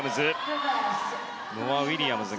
ノア・ウィリアムズ。